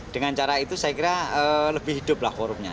dengan cara itu saya kira lebih hiduplah forumnya